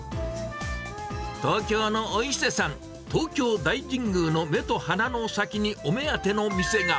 東京のお伊勢さん、東京大神宮の目と鼻の先にお目当ての店が。